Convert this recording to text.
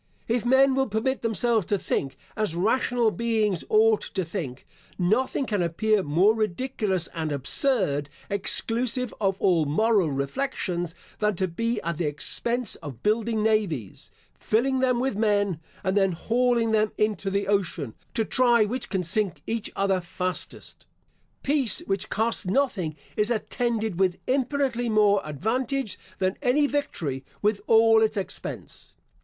If men will permit themselves to think, as rational beings ought to think, nothing can appear more ridiculous and absurd, exclusive of all moral reflections, than to be at the expense of building navies, filling them with men, and then hauling them into the ocean, to try which can sink each other fastest. Peace, which costs nothing, is attended with infinitely more advantage, than any victory with all its expense.